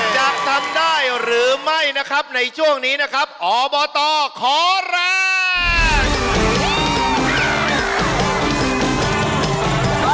จะทำได้หรือไม่นะครับในช่วงนี้นะครับอบตขอแรง